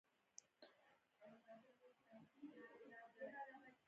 یورانیم د افغان کلتور په داستانونو کې راځي.